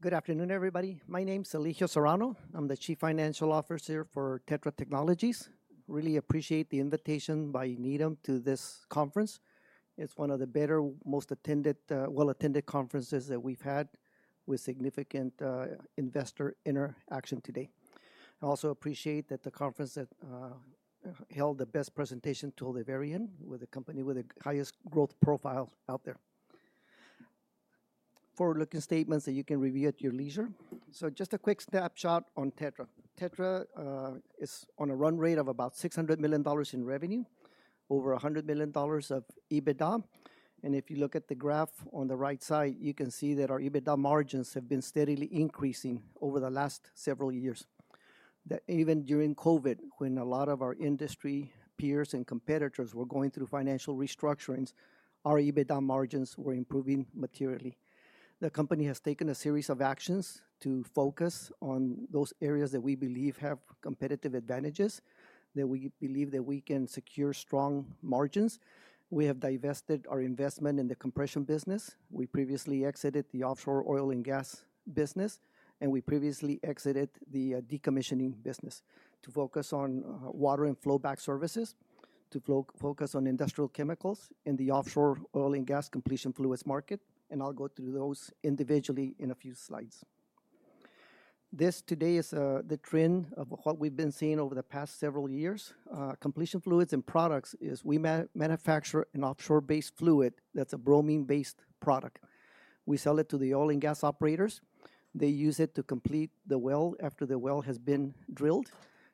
Good afternoon, everybody. My name's Elijio Serrano. I'm the Chief Financial Officer for Tetra Technologies. Really appreciate the invitation by Needham to this conference. It's one of the better, most attended, well-attended conferences that we've had with significant investor interaction today. I also appreciate that the conference held the best presentation till the very end with the company with the highest growth profile out there. Forward-looking statements that you can review at your leisure. So just a quick snapshot on Tetra. Tetra is on a run rate of about $600 million in revenue, over $100 million of EBITDA. And if you look at the graph on the right side, you can see that our EBITDA margins have been steadily increasing over the last several years. Even during COVID, when a lot of our industry peers and competitors were going through financial restructurings, our EBITDA margins were improving materially. The company has taken a series of actions to focus on those areas that we believe have competitive advantages, that we believe that we can secure strong margins. We have divested our investment in the compression business. We previously exited the offshore oil and gas business, and we previously exited the decommissioning business to focus on water and flowback services, to focus on industrial chemicals in the offshore oil and gas completion fluids market. And I'll go through those individually in a few slides. This today is the trend of what we've been seeing over the past several years. Completion fluids and products is we manufacture an offshore-based fluid that's a bromine-based product. We sell it to the oil and gas operators. They use it to complete the well after the well has been drilled.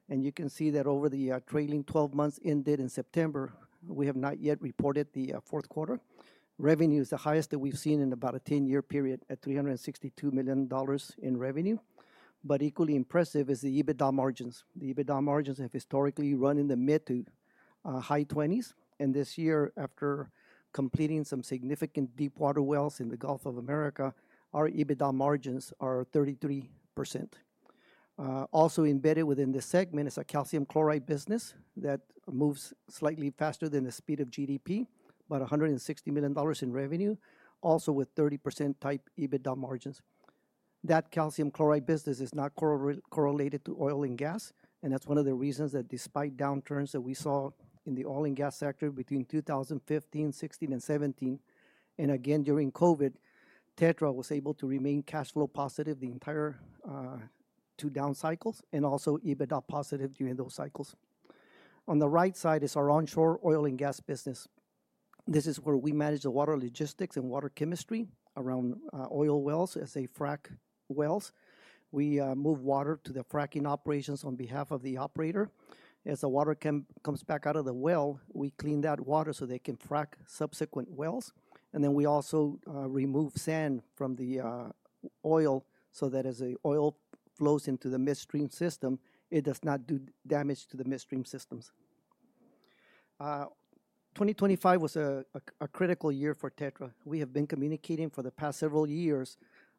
You can see that over the trailing 12 months ended in September, we have not yet reported the fourth quarter. Revenue is the highest that we've seen in about a 10-year period at $362 million in revenue. Equally impressive is the EBITDA margins. The EBITDA margins have historically run in the mid-20s to high-20s. This year, after completing some significant deep water wells in the Gulf of Mexico, our EBITDA margins are 33%. Also embedded within the segment is a calcium chloride business that moves slightly faster than the speed of GDP, about $160 million in revenue, also with 30% type EBITDA margins. That calcium chloride business is not correlated to oil and gas. And that's one of the reasons that despite downturns that we saw in the oil and gas sector between 2015, 2016, and 2017, and again during COVID, Tetra was able to remain cash flow positive the entire two down cycles and also EBITDA positive during those cycles. On the right side is our onshore oil and gas business. This is where we manage the water logistics and water chemistry around oil wells at frac wells. We move water to the fracking operations on behalf of the operator. As the water comes back out of the well, we clean that water so they can frack subsequent wells. And then we also remove sand from the oil so that as the oil flows into the midstream system, it does not do damage to the midstream systems. 2025 was a critical year for Tetra. We have been communicating for the past several years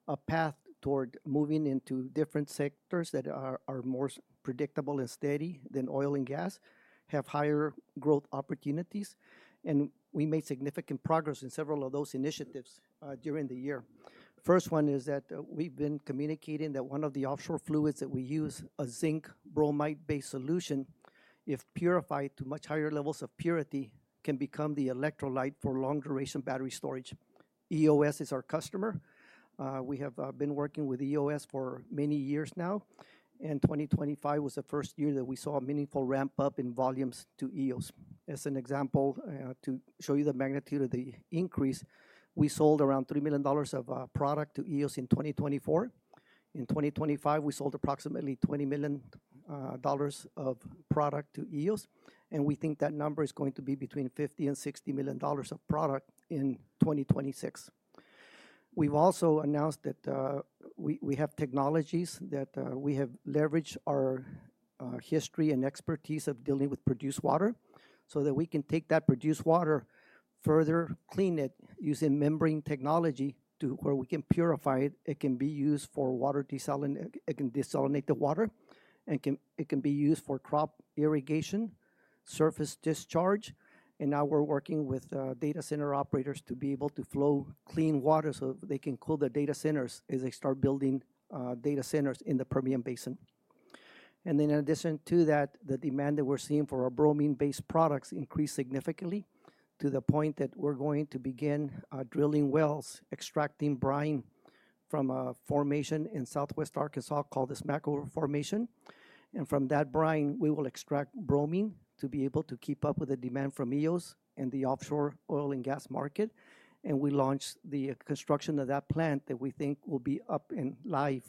a path toward moving into different sectors that are more predictable and steady than oil and gas, have higher growth opportunities, and we made significant progress in several of those initiatives during the year. First one is that we've been communicating that one of the offshore fluids that we use, a zinc bromide-based solution, if purified to much higher levels of purity, can become the electrolyte for long-duration battery storage. Eos Energy Enterprises is our customer. We have been working with Eos for many years now, and 2025 was the first year that we saw a meaningful ramp-up in volumes to Eos. As an example, to show you the magnitude of the increase, we sold around $3 million of product to Eos in 2024. In 2025, we sold approximately $20 million of product to Eos. We think that number is going to be between $50 million-$60 million of product in 2026. We've also announced that we have technologies that we have leveraged our history and expertise of dealing with produced water so that we can take that produced water, further clean it using membrane technology to where we can purify it. It can be used for water desalination. It can desalinate the water, and it can be used for crop irrigation, surface discharge. And now we're working with data center operators to be able to flow clean water so they can cool the data centers as they start building data centers in the Permian Basin. Then in addition to that, the demand that we're seeing for our bromine-based products increased significantly to the point that we're going to begin drilling wells, extracting brine from a formation in Southwest Arkansas called the Smackover Formation. From that brine, we will extract bromine to be able to keep up with the demand from Eos and the offshore oil and gas market. We launched the construction of that plant that we think will be up and live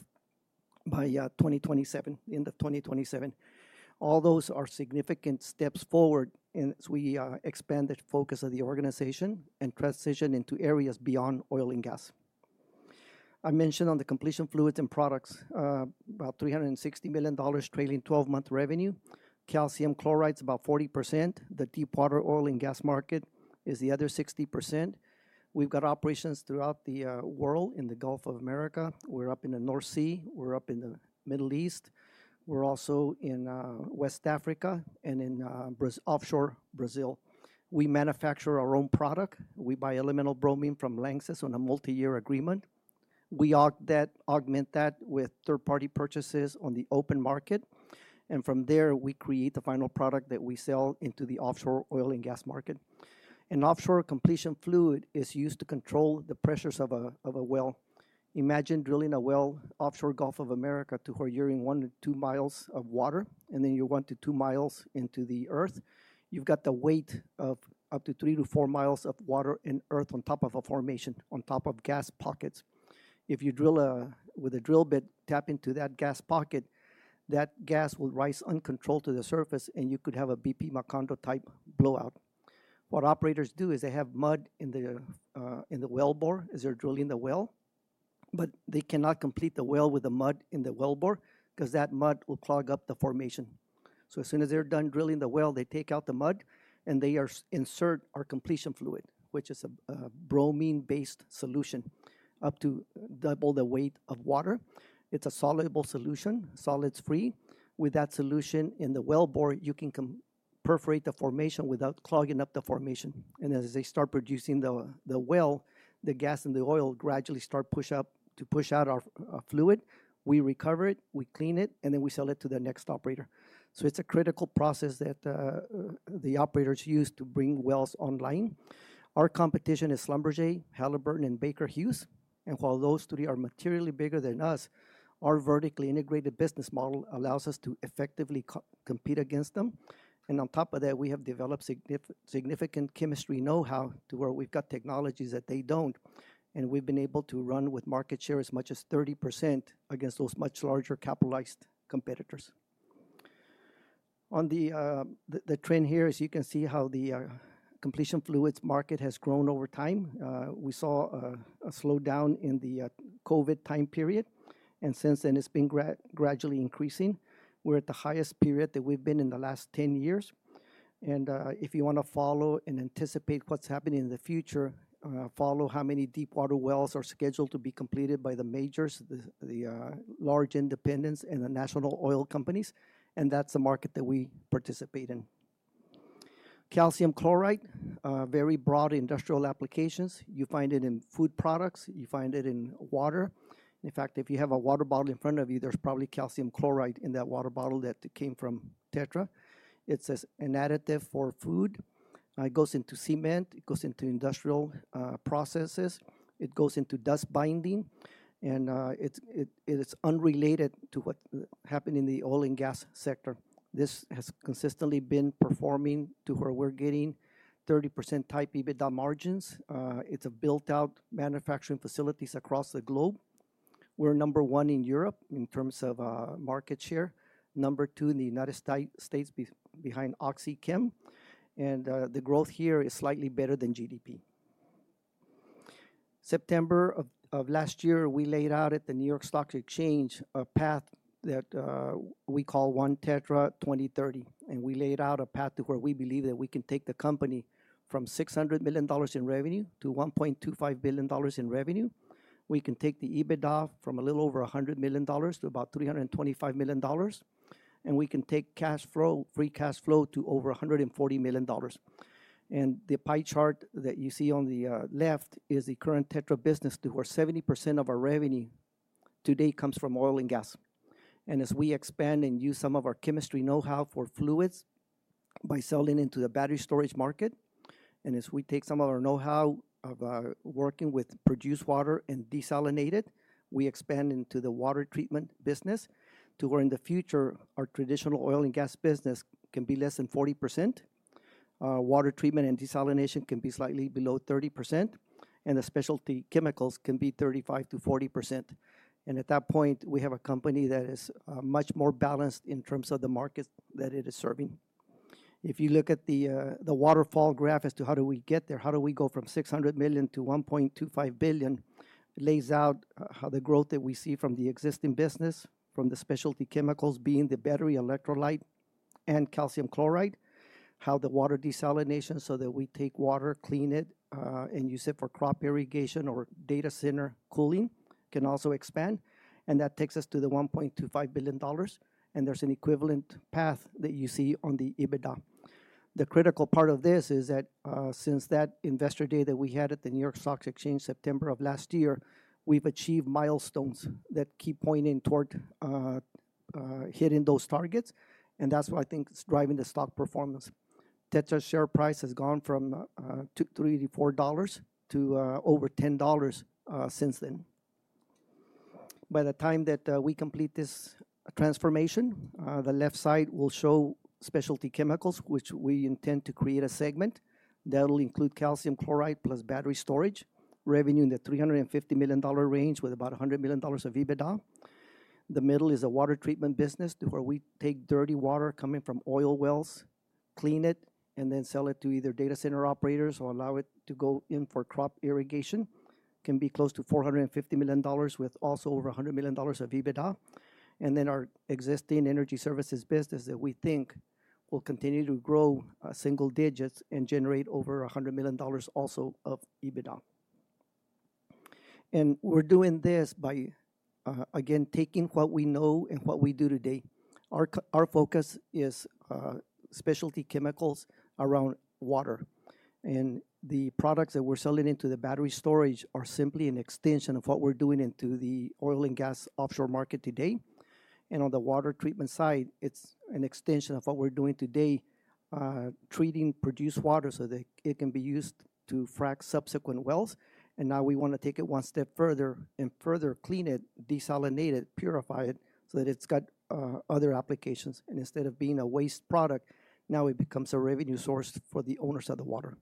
by 2027, end of 2027. All those are significant steps forward as we expand the focus of the organization and transition into areas beyond oil and gas. I mentioned on the completion fluids and products, about $360 million trailing 12-month revenue. Calcium chloride is about 40%. The deepwater oil and gas market is the other 60%. We've got operations throughout the world in the Gulf of America. We're up in the North Sea. We're up in the Middle East. We're also in West Africa and in offshore Brazil. We manufacture our own product. We buy elemental bromine from LANXESS on a multi-year agreement. We augment that with third-party purchases on the open market. And from there, we create the final product that we sell into the offshore oil and gas market. An offshore completion fluid is used to control the pressures of a well. Imagine drilling a well offshore Gulf of Mexico to where you're in one to two miles of water and then you're one to two miles into the earth. You've got the weight of up to three to four miles of water and earth on top of a formation, on top of gas pockets. If you drill with a drill bit, tap into that gas pocket, that gas will rise uncontrolled to the surface and you could have a BP Macondo-type blowout. What operators do is they have mud in the wellbore as they're drilling the well, but they cannot complete the well with the mud in the wellbore because that mud will clog up the formation, so as soon as they're done drilling the well, they take out the mud and they insert our completion fluid, which is a bromine-based solution up to double the weight of water. It's a soluble solution, solids-free. With that solution in the wellbore, you can perforate the formation without clogging up the formation, and as they start producing the well, the gas and the oil gradually start to push out our fluid. We recover it, we clean it, and then we sell it to the next operator. So it's a critical process that the operators use to bring wells online. Our competition is Schlumberger, Halliburton, and Baker Hughes. And while those three are materially bigger than us, our vertically integrated business model allows us to effectively compete against them. And on top of that, we have developed significant chemistry know-how to where we've got technologies that they don't. And we've been able to run with market share as much as 30% against those much larger capitalized competitors. On the trend here, as you can see how the completion fluids market has grown over time. We saw a slowdown in the COVID time period, and since then, it's been gradually increasing. We're at the highest period that we've been in the last 10 years. If you want to follow and anticipate what's happening in the future, follow how many deep water wells are scheduled to be completed by the majors, the large independents, and the national oil companies. And that's the market that we participate in. Calcium chloride, very broad industrial applications. You find it in food products. You find it in water. In fact, if you have a water bottle in front of you, there's probably calcium chloride in that water bottle that came from Tetra. It's an additive for food. It goes into cement. It goes into industrial processes. It goes into dust binding. And it's unrelated to what happened in the oil and gas sector. This has consistently been performing to where we're getting 30% type EBITDA margins. It's built out manufacturing facilities across the globe. We're number one in Europe in terms of market share. Number two in the United States behind OxyChem, and the growth here is slightly better than GDP. September of last year, we laid out at the New York Stock Exchange a path that we call One Tetra 2030, and we laid out a path to where we believe that we can take the company from $600 million in revenue to $1.25 billion in revenue. We can take the EBITDA from a little over $100 million to about $325 million, and we can take cash flow, free cash flow to over $140 million. The pie chart that you see on the left is the current Tetra business to where 70% of our revenue today comes from oil and gas. As we expand and use some of our chemistry know-how for fluids by selling into the battery storage market, and as we take some of our know-how of working with produced water and desalinate it, we expand into the water treatment business to where in the future our traditional oil and gas business can be less than 40%. Water treatment and desalination can be slightly below 30%. The specialty chemicals can be 35%-40%. At that point, we have a company that is much more balanced in terms of the market that it is serving. If you look at the waterfall graph as to how do we get there, how do we go from $600 million to $1.25 billion, it lays out how the growth that we see from the existing business, from the specialty chemicals being the battery electrolyte and calcium chloride, how the water desalination so that we take water, clean it, and use it for crop irrigation or data center cooling can also expand. And that takes us to the $1.25 billion. And there's an equivalent path that you see on the EBITDA. The critical part of this is that since that Investor Day that we had at the New York Stock Exchange September of last year, we've achieved milestones that keep pointing toward hitting those targets. And that's what I think is driving the stock performance. Tetra's share price has gone from $3 to $4 to over $10 since then. By the time that we complete this transformation, the left side will show specialty chemicals, which we intend to create a segment that will include calcium chloride plus battery storage, revenue in the $350 million range with about $100 million of EBITDA. The middle is a water treatment business to where we take dirty water coming from oil wells, clean it, and then sell it to either data center operators or allow it to go in for crop irrigation. It can be close to $450 million with also over $100 million of EBITDA. Then our existing energy services business that we think will continue to grow single digits and generate over $100 million also of EBITDA. We're doing this by, again, taking what we know and what we do today. Our focus is specialty chemicals around water. And the products that we're selling into the battery storage are simply an extension of what we're doing into the oil and gas offshore market today. And on the water treatment side, it's an extension of what we're doing today, treating produced water so that it can be used to frack subsequent wells. And now we want to take it one step further and further clean it, desalinate it, purify it so that it's got other applications. And instead of being a waste product, now it becomes a revenue source for the owners of the water.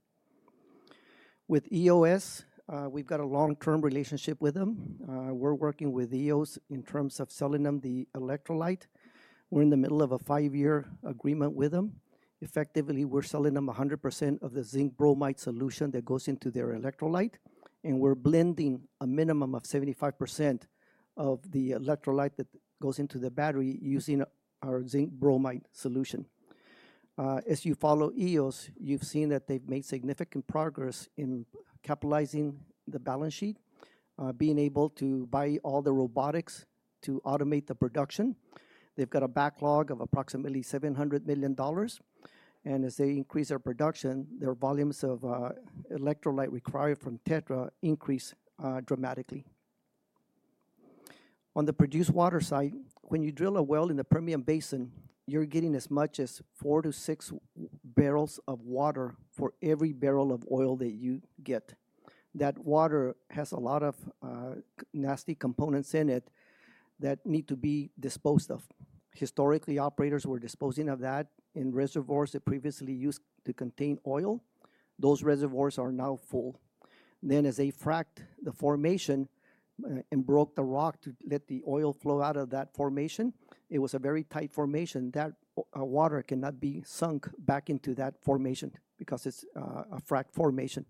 With Eos, we've got a long-term relationship with them. We're working with Eos in terms of selling them the electrolyte. We're in the middle of a five-year agreement with them. Effectively, we're selling them 100% of the zinc bromide solution that goes into their electrolyte. We're blending a minimum of 75% of the electrolyte that goes into the battery using our zinc bromide solution. As you follow Eos, you've seen that they've made significant progress in capitalizing the balance sheet, being able to buy all the robotics to automate the production. They've got a backlog of approximately $700 million. And as they increase their production, their volumes of electrolyte required from Tetra increase dramatically. On the produced water side, when you drill a well in the Permian Basin, you're getting as much as four to six barrels of water for every barrel of oil that you get. That water has a lot of nasty components in it that need to be disposed of. Historically, operators were disposing of that in reservoirs that previously used to contain oil. Those reservoirs are now full. Then as they fracked the formation and broke the rock to let the oil flow out of that formation, it was a very tight formation. That water cannot be sunk back into that formation because it's a fracked formation.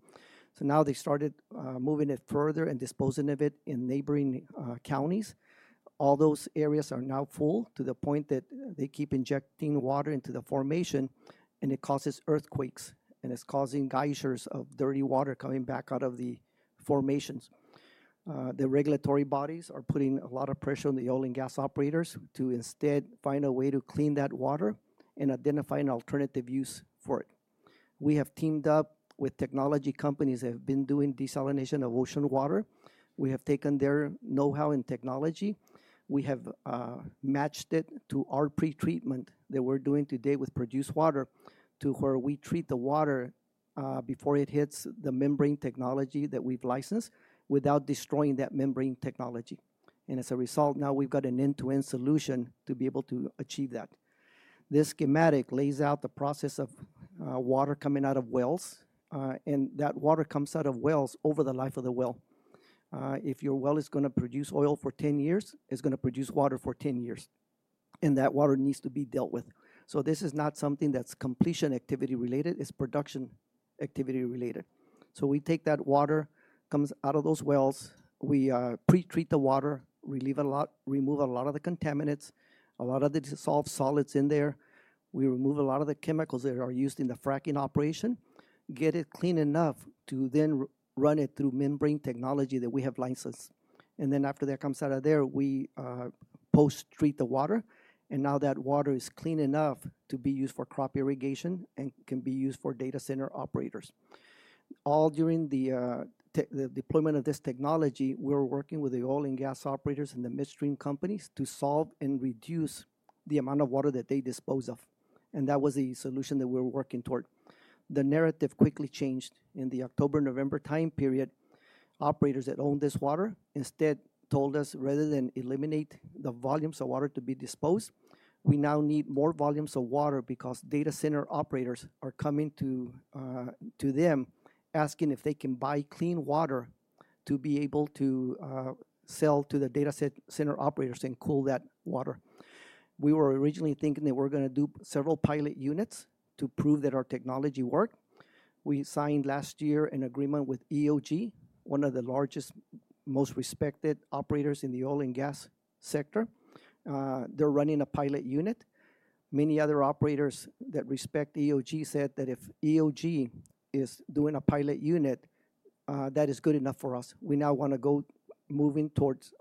So now they started moving it further and disposing of it in neighboring counties. All those areas are now full to the point that they keep injecting water into the formation, and it causes earthquakes, and it's causing geysers of dirty water coming back out of the formations. The regulatory bodies are putting a lot of pressure on the oil and gas operators to instead find a way to clean that water and identify an alternative use for it. We have teamed up with technology companies that have been doing desalination of ocean water. We have taken their know-how and technology. We have matched it to our pretreatment that we're doing today with produced water to where we treat the water before it hits the membrane technology that we've licensed without destroying that membrane technology, and as a result, now we've got an end-to-end solution to be able to achieve that. This schematic lays out the process of water coming out of wells, and that water comes out of wells over the life of the well. If your well is going to produce oil for 10 years, it's going to produce water for 10 years, and that water needs to be dealt with, so this is not something that's completion activity related. It's production activity related, so we take that water, comes out of those wells, we pretreat the water, remove a lot of the contaminants, a lot of the dissolved solids in there. We remove a lot of the chemicals that are used in the fracking operation, get it clean enough to then run it through membrane technology that we have licensed. And then after that comes out of there, we post-treat the water. And now that water is clean enough to be used for crop irrigation and can be used for data center operators. All during the deployment of this technology, we were working with the oil and gas operators and the midstream companies to solve and reduce the amount of water that they dispose of. And that was the solution that we were working toward. The narrative quickly changed in the October-November time period. Operators that owned this water instead told us, rather than eliminate the volumes of water to be disposed, we now need more volumes of water because data center operators are coming to them asking if they can buy clean water to be able to sell to the data center operators and cool that water. We were originally thinking that we're going to do several pilot units to prove that our technology worked. We signed last year an agreement with EOG, one of the largest, most respected operators in the oil and gas sector. They're running a pilot unit. Many other operators that respect EOG said that if EOG is doing a pilot unit, that is good enough for us. We now want to go moving towards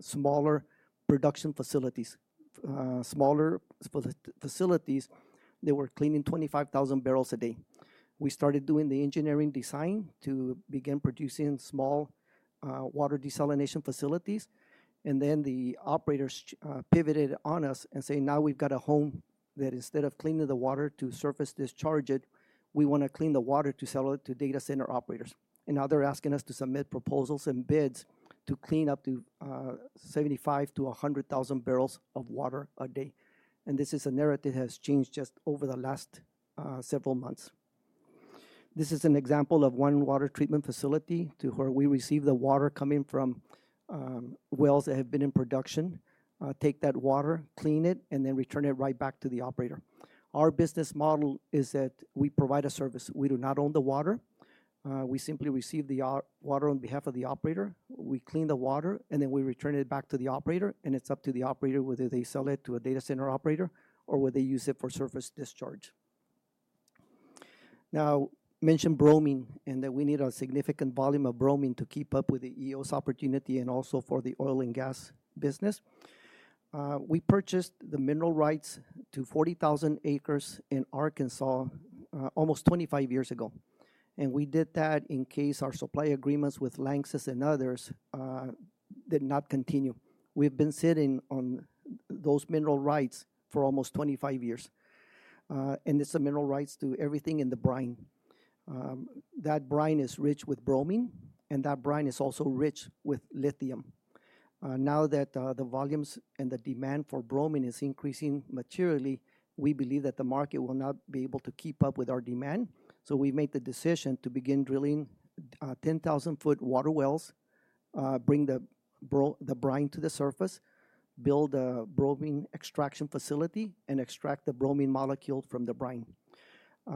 smaller production facilities, smaller facilities that were cleaning 25,000 barrels a day. We started doing the engineering design to begin producing small water desalination facilities. And then the operators pivoted on us and said, "Now we've got a home that instead of cleaning the water to surface discharge it, we want to clean the water to sell it to data center operators." And now they're asking us to submit proposals and bids to clean up to 75,000-100,000 barrels of water a day. And this is a narrative that has changed just over the last several months. This is an example of one water treatment facility to where we receive the water coming from wells that have been in production, take that water, clean it, and then return it right back to the operator. Our business model is that we provide a service. We do not own the water. We simply receive the water on behalf of the operator. We clean the water, and then we return it back to the operator. It's up to the operator whether they sell it to a data center operator or whether they use it for surface discharge. Now, mentioned bromine and that we need a significant volume of bromine to keep up with the Eos opportunity and also for the oil and gas business. We purchased the mineral rights to 40,000 acres in Arkansas almost 25 years ago. We did that in case our supply agreements with LANXESS and others did not continue. We've been sitting on those mineral rights for almost 25 years. It's the mineral rights to everything in the brine. That brine is rich with bromine, and that brine is also rich with lithium. Now that the volumes and the demand for bromine is increasing materially, we believe that the market will not be able to keep up with our demand. So we made the decision to begin drilling 10,000-foot water wells, bring the brine to the surface, build a bromine extraction facility, and extract the bromine molecule from the brine.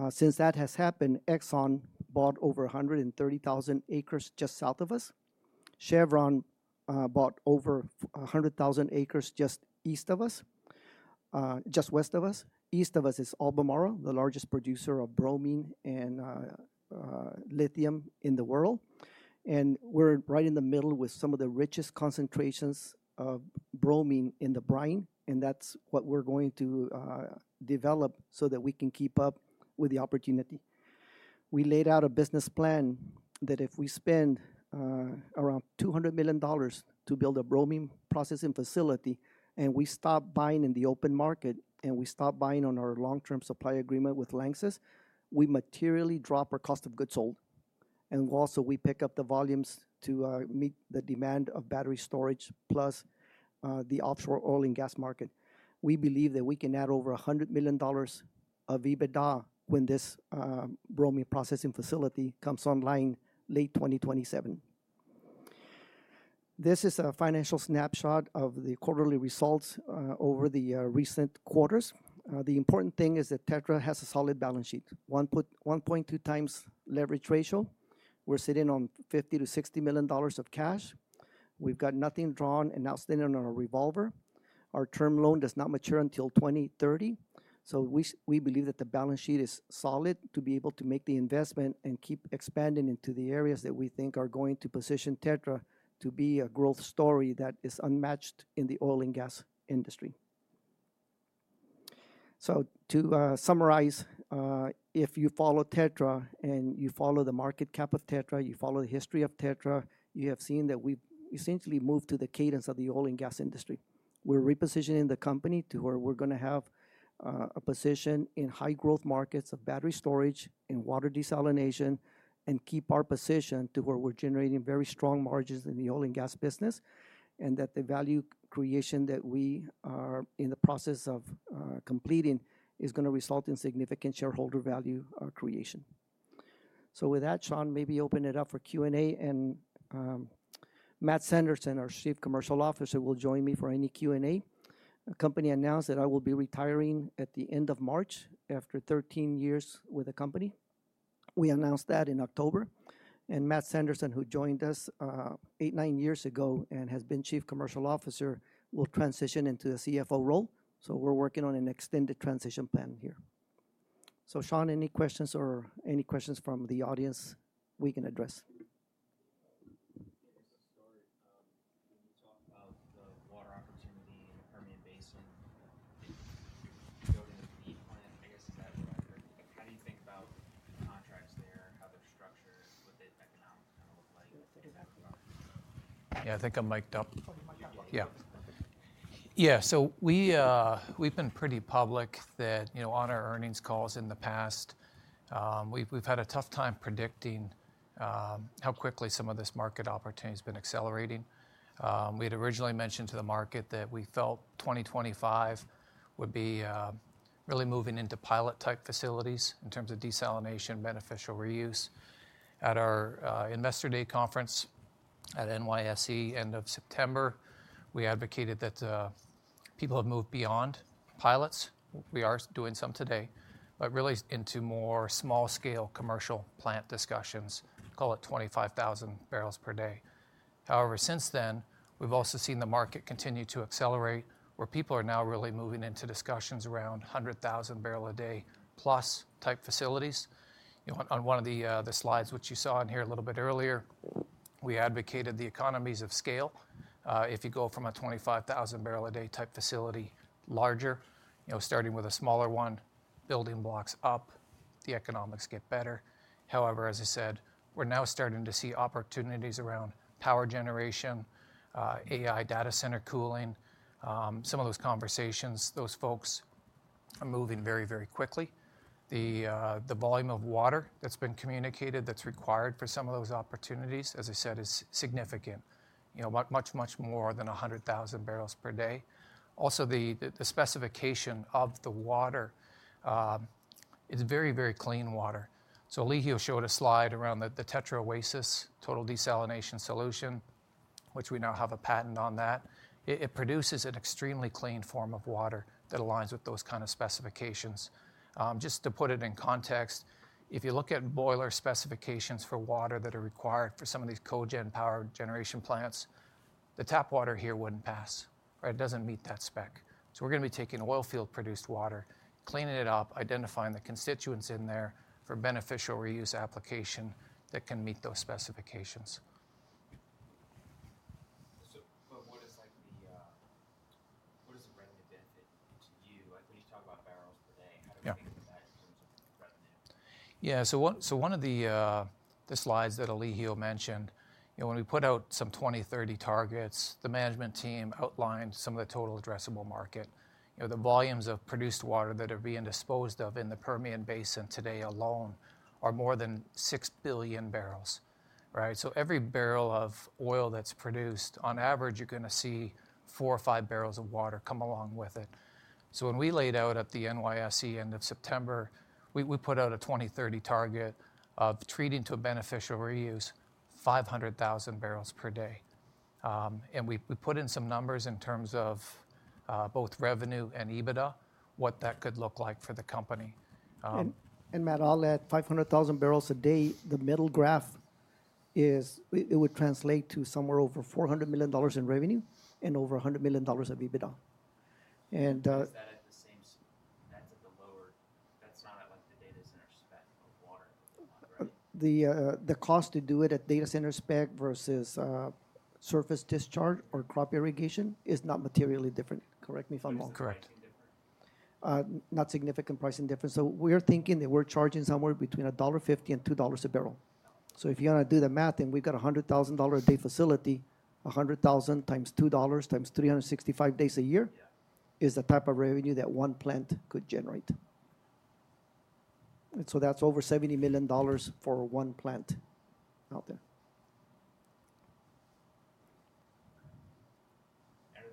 Since that has happened, Exxon bought over 130,000 acres just south of us. Chevron bought over 100,000 acres just east of us, just west of us. East of us is Albemarle Corporation, the largest producer of bromine and lithium in the world. And we're right in the middle with some of the richest concentrations of bromine in the brine. And that's what we're going to develop so that we can keep up with the opportunity. We laid out a business plan that if we spend around $200 million to build a bromine processing facility and we stop buying in the open market and we stop buying on our long-term supply agreement with LANXESS, we materially drop our cost of goods sold, and also, we pick up the volumes to meet the demand of battery storage plus the offshore oil and gas market. We believe that we can add over $100 million of EBITDA when this bromine processing facility comes online late 2027. This is a financial snapshot of the quarterly results over the recent quarters. The important thing is that Tetra has a solid balance sheet, 1.2 times leverage ratio. We're sitting on $50 million-$60 million of cash. We've got nothing drawn and now sitting on a revolver. Our term loan does not mature until 2030. So we believe that the balance sheet is solid to be able to make the investment and keep expanding into the areas that we think are going to position Tetra to be a growth story that is unmatched in the oil and gas industry. So to summarize, if you follow Tetra and you follow the market cap of Tetra, you follow the history of Tetra, you have seen that we've essentially moved to the cadence of the oil and gas industry. We're repositioning the company to where we're going to have a position in high-growth markets of battery storage and water desalination and keep our position to where we're generating very strong margins in the oil and gas business and that the value creation that we are in the process of completing is going to result in significant shareholder value creation. With that, Sean, maybe open it up for Q&A. And Matt Sanderson, our Chief Commercial Officer, will join me for any Q&A. The company announced that I will be retiring at the end of March after 13 years with the company. We announced that in October. And Matt Sanderson, who joined us eight, nine years ago and has been Chief Commercial Officer, will transition into the CFO role. So we're working on an extended transition plan here. So Sean, any questions or any questions from the audience we can address? When you talk about the water opportunity in the Permian Basin, building a feed plan, I guess is that what I heard. How do you think about the contracts there, how they're structured? What does economics kind of look like? Yeah, I think I'm mic'd up. Yeah. So we've been pretty public that on our earnings calls in the past, we've had a tough time predicting how quickly some of this market opportunity has been accelerating. We had originally mentioned to the market that we felt 2025 would be really moving into pilot-type facilities in terms of desalination beneficial reuse. At our Investor Day conference at NYSE end of September, we advocated that people have moved beyond pilots. We are doing some today, but really into more small-scale commercial plant discussions, call it 25,000 barrels per day. However, since then, we've also seen the market continue to accelerate where people are now really moving into discussions around 100,000 barrel a day plus type facilities. On one of the slides, which you saw in here a little bit earlier, we advocated the economies of scale. If you go from a 25,000 barrel a day type facility larger, starting with a smaller one, building blocks up, the economics get better. However, as I said, we're now starting to see opportunities around power generation, AI data center cooling. Some of those conversations, those folks are moving very, very quickly. The volume of water that's been communicated that's required for some of those opportunities, as I said, is significant, much, much more than 100,000 barrels per day. Also, the specification of the water is very, very clean water. So Elijio showed a slide around the Tetra Oasis Total Desalination Solution, which we now have a patent on that. It produces an extremely clean form of water that aligns with those kinds of specifications. Just to put it in context, if you look at boiler specifications for water that are required for some of these cogen power generation plants, the tap water here wouldn't pass. It doesn't meet that spec. So we're going to be taking oil field-produced water, cleaning it up, identifying the constituents in there for beneficial reuse application that can meet those specifications. But what is the revenue benefit to you? When you talk about barrels per day, how do we think of that in terms of revenue? Yeah. So one of the slides that Elijio mentioned, when we put out some 2030 targets, the management team outlined some of the total addressable market. The volumes of produced water that are being disposed of in the Permian Basin today alone are more than 6 billion barrels. So every barrel of oil that's produced, on average, you're going to see four or five barrels of water come along with it. So when we laid out at the NYSE end of September, we put out a 2030 target of treating to a beneficial reuse, 500,000 barrels per day. And we put in some numbers in terms of both revenue and EBITDA, what that could look like for the company. Matt, I'll add 500,000 barrels a day. The middle graph is, it would translate to somewhere over $400 million in revenue and over $100 million of EBITDA. Is that at the same? That's at the lower, that's not at the data center spec of water. The cost to do it at data center spec versus surface discharge or crop irrigation is not materially different. Correct me if I'm wrong. It's correct. Not significant pricing difference. We're thinking that we're charging somewhere between $1.50 and $2 a barrel. If you want to do the math and we've got a 100,000 a day facility, 100,000 times $2 times 365 days a year is the type of revenue that one plant could generate. That's over $70 million for one plant out there. Are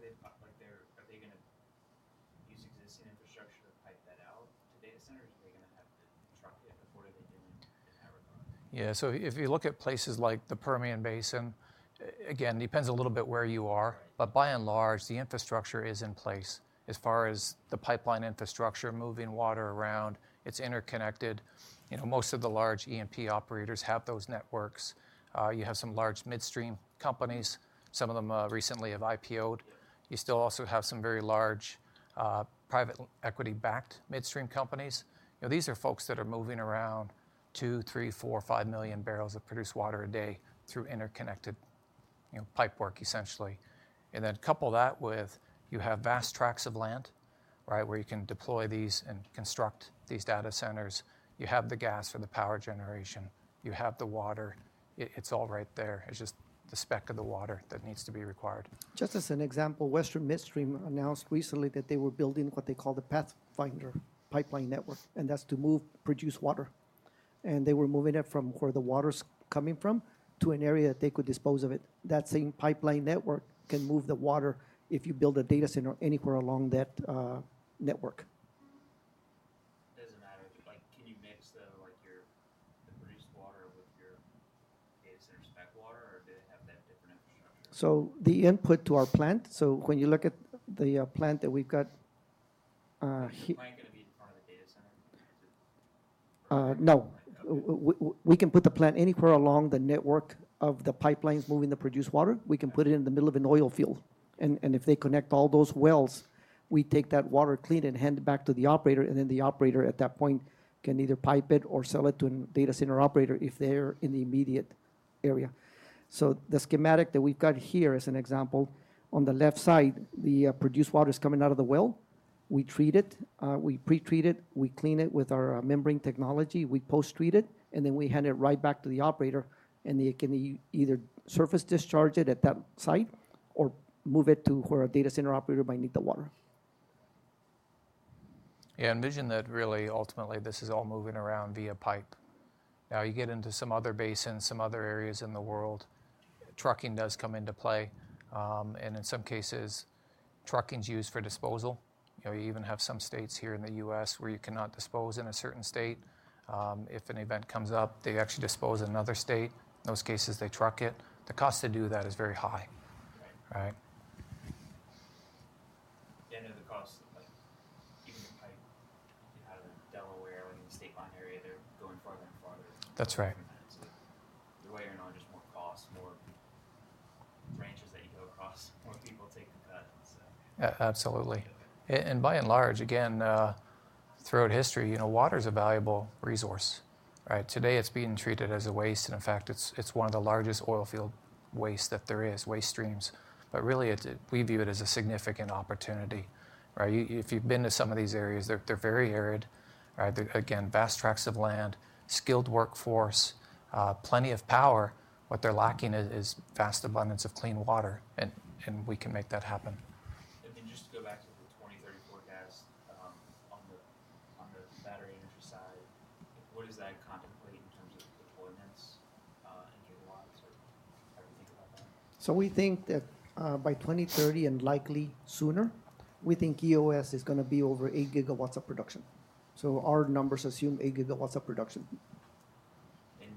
they going to use existing infrastructure to pipe that out to data centers? Are they going to have to truck it before they do it in that regard? Yeah. So if you look at places like the Permian Basin, again, it depends a little bit where you are. But by and large, the infrastructure is in place as far as the pipeline infrastructure moving water around. It's interconnected. Most of the large E&P operators have those networks. You have some large midstream companies. Some of them recently have IPO'd. You still also have some very large private equity-backed midstream companies. These are folks that are moving around two million, three million, four million, five million barrels of produced water a day through interconnected pipework, essentially. And then couple that with you have vast tracts of land where you can deploy these and construct these data centers. You have the gas for the power generation. You have the water. It's all right there. It's just the spec of the water that needs to be required. Just as an example, Western Midstream announced recently that they were building what they call the Pathfinder pipeline network. And that's to move produced water. And they were moving it from where the water's coming from to an area that they could dispose of it. That same pipeline network can move the water if you build a data center anywhere along that network. Does it matter? Can you mix the produced water with your data center spec water or do they have that different infrastructure? So the input to our plant, so when you look at the plant that we've got. Is the plant going to be in front of the data center? No. We can put the plant anywhere along the network of the pipelines moving the produced water. We can put it in the middle of an oil field, and if they connect all those wells, we take that water clean and hand it back to the operator, and then the operator at that point can either pipe it or sell it to a data center operator if they're in the immediate area, so the schematic that we've got here as an example, on the left side, the produced water is coming out of the well. We treat it. We pre-treat it. We clean it with our membrane technology. We post-treat it, and then we hand it right back to the operator, and they can either surface discharge it at that site or move it to where a data center operator might need the water. Yeah. Envision that really, ultimately, this is all moving around via pipe. Now, you get into some other basins, some other areas in the world, trucking does come into play. And in some cases, trucking's used for disposal. You even have some states here in the U.S. where you cannot dispose in a certain state. If an event comes up, they actually dispose in another state. In those cases, they truck it. The cost to do that is very high. And then the cost of even the pipe, you've got Delaware within the state line area. They're going farther and farther. That's right. The way you're known, just more costs, more branches that you go across, more people taking cut. Absolutely, and by and large, again, throughout history, water is a valuable resource. Today, it's being treated as a waste, and in fact, it's one of the largest oil field waste that there is, waste streams, but really, we view it as a significant opportunity. If you've been to some of these areas, they're very arid. Again, vast tracts of land, skilled workforce, plenty of power. What they're lacking is vast abundance of clean water, and we can make that happen. And then just to go back to the 2030 forecast on the battery energy side, what does that contemplate in terms of deployments and gigawatts? How do you think about that? We think that by 2030 and likely sooner, we think Eos is going to be over eight gigawatts of production. Our numbers assume eight gigawatts of production. You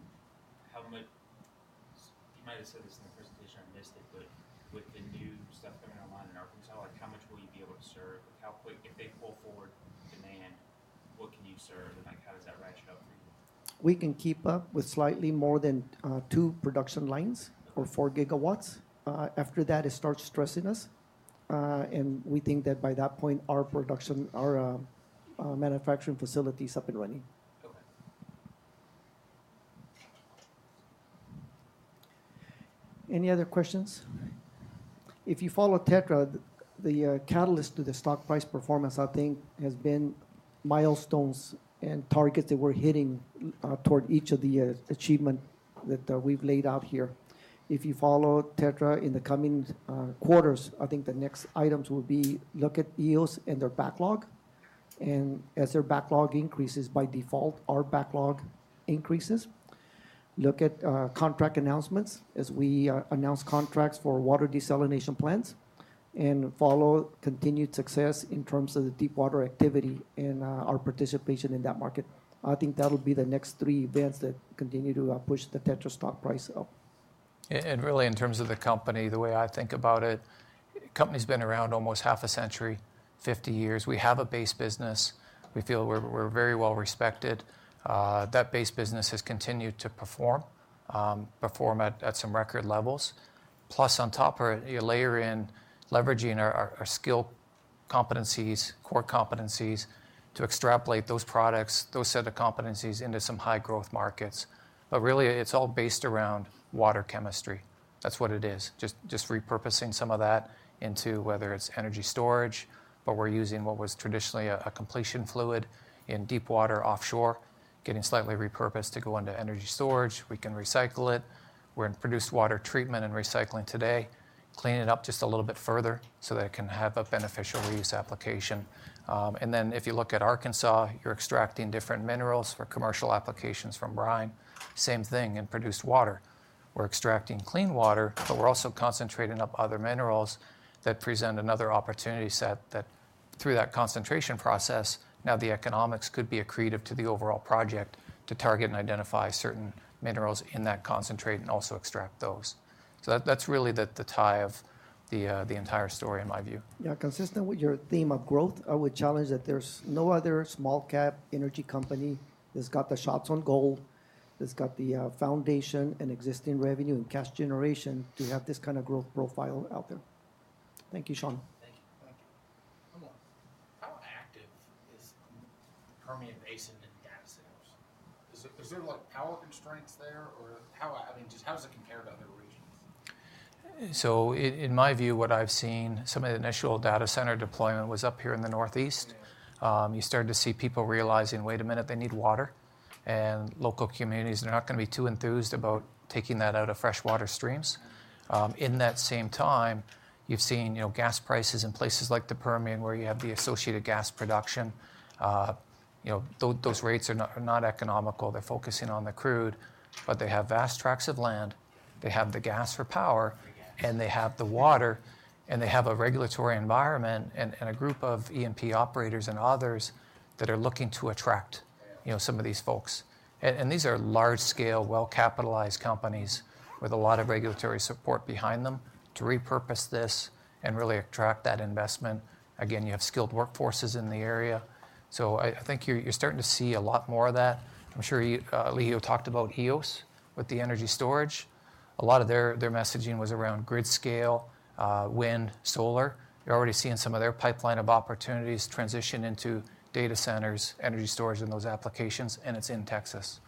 might have said this in the presentation, I missed it, but with the new stuff coming online in Arkansas, how much will you be able to serve? If they pull forward demand, what can you serve? And how does that ratchet up for you? We can keep up with slightly more than two production lines or four gigawatts. After that, it starts stressing us. And we think that by that point, our manufacturing facility is up and running. Any other questions? If you follow Tetra, the catalyst to the stock price performance, I think, has been milestones and targets that we're hitting toward each of the achievement that we've laid out here. If you follow Tetra in the coming quarters, I think the next items will be look at Eos and their backlog. And as their backlog increases by default, our backlog increases. Look at contract announcements as we announce contracts for water desalination plants and follow continued success in terms of the deep water activity and our participation in that market. I think that'll be the next three events that continue to push the Tetra stock price up. Really, in terms of the company, the way I think about it, the company's been around almost half a century, 50 years. We have a base business. We feel we're very well respected. That base business has continued to perform at some record levels. Plus, on top of it, you layer in leveraging our skill competencies, core competencies to extrapolate those products, those set of competencies into some high growth markets. But really, it's all based around water chemistry. That's what it is. Just repurposing some of that into whether it's energy storage, but we're using what was traditionally a completion fluid in deep water offshore, getting slightly repurposed to go into energy storage. We can recycle it. We're in produced water treatment and recycling today, cleaning it up just a little bit further so that it can have a beneficial reuse application. Then if you look at Arkansas, you're extracting different minerals for commercial applications from brine. Same thing in produced water. We're extracting clean water, but we're also concentrating up other minerals that present another opportunity set that through that concentration process, now the economics could be accretive to the overall project to target and identify certain minerals in that concentrate and also extract those. That's really the tie of the entire story in my view. Yeah. Consistent with your theme of growth, I would challenge that there's no other small-cap energy company that's got the shots on goal, that's got the foundation and existing revenue and cash generation to have this kind of growth profile out there. Thank you, Sean. Thank you. How active is the Permian Basin and data centers? Is there power constraints there? Or just how does it compare to other regions? So in my view, what I've seen, some of the initial data center deployment was up here in the Northeast. You started to see people realizing, wait a minute, they need water. And local communities, they're not going to be too enthused about taking that out of freshwater streams. In that same time, you've seen gas prices in places like the Permian where you have the associated gas production. Those rates are not economical. They're focusing on the crude, but they have vast tracts of land. They have the gas for power, and they have the water. And they have a regulatory environment and a group of E&P operators and others that are looking to attract some of these folks. And these are large-scale, well-capitalized companies with a lot of regulatory support behind them to repurpose this and really attract that investment. Again, you have skilled workforces in the area. So I think you're starting to see a lot more of that. I'm sure Elijio talked about Eos with the energy storage. A lot of their messaging was around grid scale, wind, solar. You're already seeing some of their pipeline of opportunities transition into data centers, energy storage, and those applications. And it's in Texas.